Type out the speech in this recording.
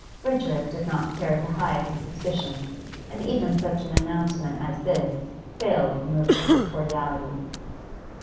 Richard did not care to hide his suspicion, and even such an announcement as this failed to move him to cordiality.